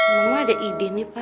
mama ada ide nih pak